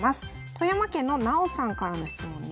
富山県のなおさんからの質問です。